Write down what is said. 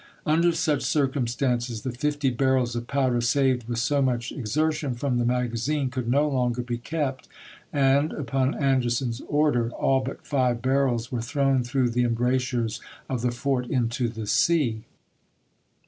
Under such circumstances the fifty barrels of powder saved with so much ex ertion from the magazine could no longer be kept, and upon Anderson's order all but five barrels THE FALL OF SUMTER 59 were thrown through the embrasures of the fort chap. in. into the sea.